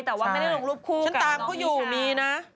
แต่ว่าไม่ได้ลงรูปคู่กับน้องนิชาใช่ฉันตามเขาอยู่มีนะ